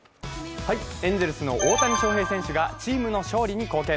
エンゼルスの大谷翔平選手がチームの勝利に貢献。